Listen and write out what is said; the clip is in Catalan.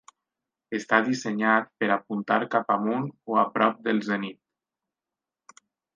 Està dissenyat per apuntar cap amunt o a prop del zenit.